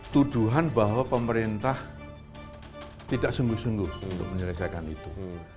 tuduhan bahwa pemerintah tidak sungguh sungguh untuk menyelesaikan itu